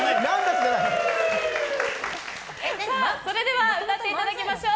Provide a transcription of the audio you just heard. では歌っていただきましょう。